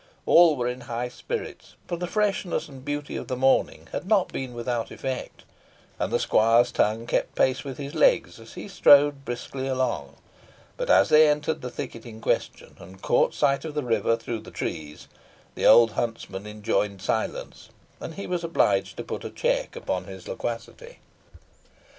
All were in high spirits, for the freshness and beauty of the morning had not been without effect, and the squire's tongue kept pace with his legs as he strode briskly along; but as they entered the thicket in question, and caught sight of the river through the trees, the old huntsman enjoined silence, and he was obliged to put a check upon his loquacity.